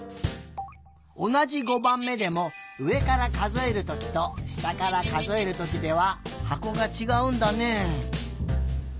おなじ５ばんめでもうえからかぞえるときとしたからかぞえるときでははこがちがうんだね。